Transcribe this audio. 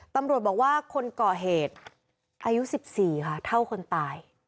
ตำรวจบอกว่าคนก่อเหตุอายุ๑๔ค่ะเท่าคนตาย